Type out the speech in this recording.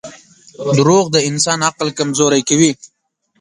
• دروغ د انسان عقل کمزوری کوي.